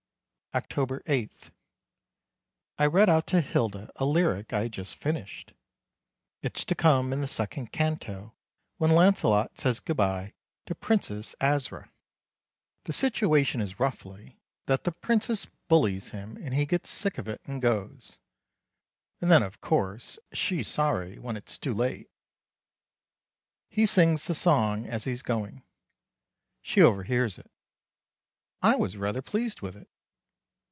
October 8. I read out to Hilda a lyric I had just finished. It's to come in the Second Canto when Lancelot says good bye to Princess Asra. The situation is roughly that the Princess bullies him and he gets sick of it and goes and then, of course, she's sorry, when it's too late. He sings the song as he's going. She overhears it. I was rather pleased with it.